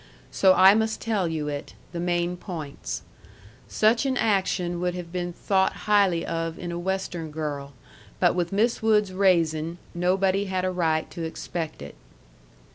So I must tell you it, the main points. Such an action would have been thought highly of in a Western girl, but with Miss Wood's raising nobody had a right to expect it.